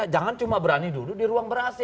jangan cuma berani duduk di ruang ber ac